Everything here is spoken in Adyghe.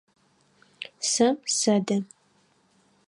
Сэ сэдэ.